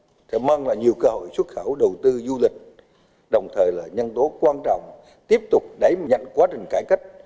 hiệp định ebfta sẽ mang lại nhiều cơ hội xuất khẩu đầu tư du lịch đồng thời là nhân tố quan trọng tiếp tục đẩy nhanh quá trình cải cách